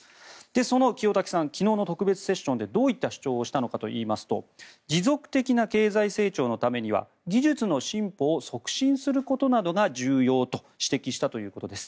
その清滝さん昨日の特別セッションでどういった主張をしたのかといいますと持続的な経済成長のためには技術の進歩を促進することなどが重要と指摘したそうです。